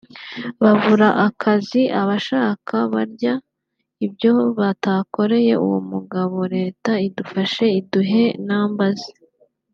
(babura akazi abashska kurya ibyo batakoreye uwo mugabo reta idufashe iduhe nambaze